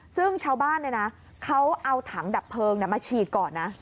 ซึ่งชาวบ้านเขาเอาถังดับเพลิงมาฉีดก่อนนะ